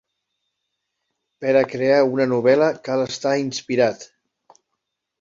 Per a crear una novel·la cal estar inspirat.